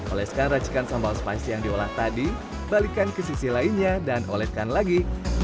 oleskan racikan sambal spasi yang diolah tadi balikan ke sisi lainnya dan oledkan lagi